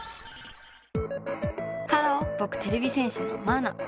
ハローぼくてれび戦士のマウナ。